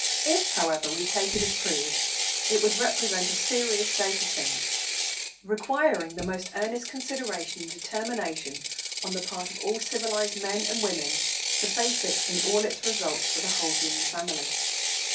If, however, we take it as proved, it would represent a serious state of things, requiring the most earnest consideration and determination on the part of all civilised men and women to face it in all its results for the whole human family.